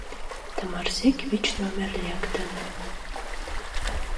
Тымарсек вич номер лектын.